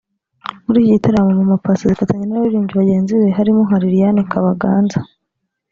Mu Iki gitaramo Mama Passy azifatanya n’abaririmbyi bagenzi be harimo nka Lilianne Kabaganza